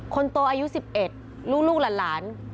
คนโตอายุ๑๑ลูกหลาน